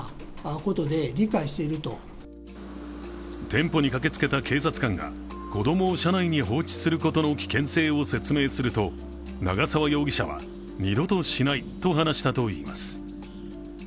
店舗に駆けつけた警察官が子供を車内に放置することの危険性を説明すると長沢容疑者は二度としないと話したといいます。